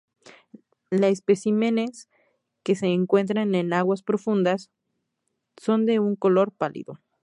Los especímenes que se encuentran en aguas profundas son de un color pálido.